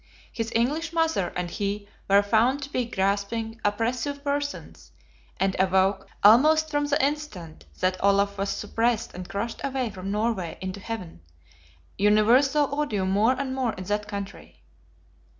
His English mother and he were found to be grasping, oppressive persons; and awoke, almost from the instant that Olaf was suppressed and crushed away from Norway into Heaven, universal odium more and more in that country.